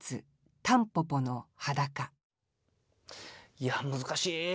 いや難しい。